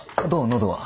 喉は。